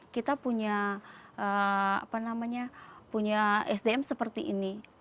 kita punya sdm seperti ini